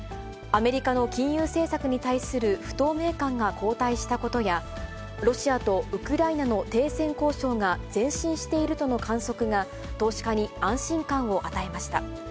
アメリカの金融政策に対する不透明感が後退したことや、ロシアとウクライナの停戦交渉が前進しているとの観測が投資家に安心感を与えました。